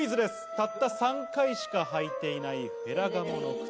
たった３回しか履いていないフェラガモの靴。